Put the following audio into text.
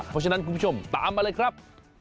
เพราะฉะนั้นคุณผู้ชมตามมาเลยครับ